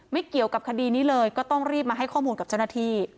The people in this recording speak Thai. เกี่ยวกับคดีนี้เลยก็ต้องรีบมาให้ข้อมูลกับเจ้าหน้าที่